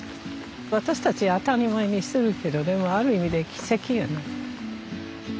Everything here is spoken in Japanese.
私たち当たり前にしてるけどでもある意味で奇跡やな。